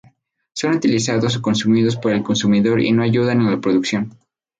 Son utilizados o consumidos por el consumidor y no ayudan en la producción.